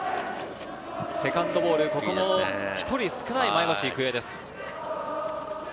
セカンドボール、ここも１人少ない前橋育英です。